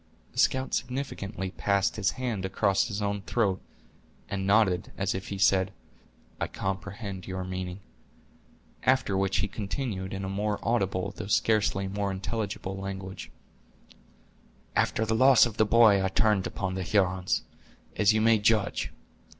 The scout significantly passed his hand across his own throat, and nodded, as if he said, "I comprehend your meaning." After which he continued, in a more audible though scarcely more intelligible language: "After the loss of the boy I turned upon the Hurons, as you may judge.